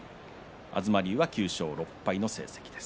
東龍は９勝６敗の成績です。